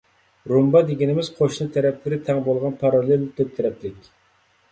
رومبا دېگىنىمىز، قوشنا تەرەپلىرى تەڭ بولغان پاراللېل تۆت تەرەپلىك.